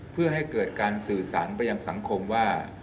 เพื่อให้เกิดการสื่อสารไปยังสังคมว่า